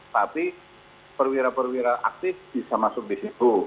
tapi perwira perwira aktif bisa masuk di situ